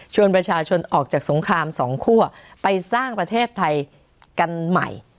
ประชาชนออกจากสงครามสองคั่วไปสร้างประเทศไทยกันใหม่